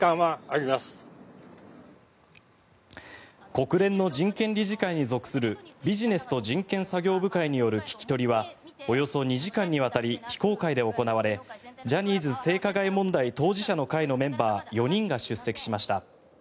国連の人権理事会に属するビジネスと人権作業部会による聞き取りはおよそ２時間にわたり非公開で行われジャニーズ性加害問題当事者の会のメンバー４人が出席しました。